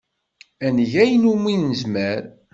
Ad neg ayen umi nezmer.